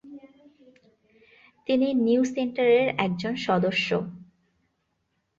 তিনি নিউ সেন্টারের একজন সদস্য।